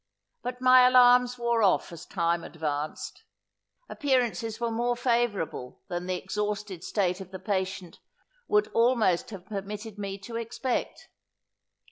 But my alarms wore off, as time advanced. Appearances were more favourable, than the exhausted state of the patient would almost have permitted me to expect.